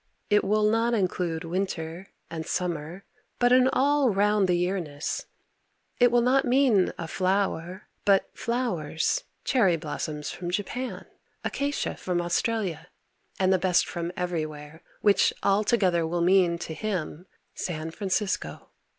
It will not include winter and summer but an all round the year ness, it will not mean a flower, but flowers, cherry blossoms from Japan, acacia from Australia, and the best from everywhere which all together will mean to him San Francisco.